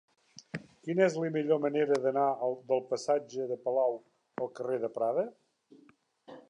Quina és la millor manera d'anar del passatge de Palau al carrer de Prada?